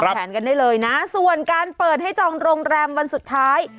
แผนกันได้เลยนะส่วนการเปิดให้จองโรงแรมวันสุดท้าย